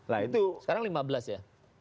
sekarang lima belas ya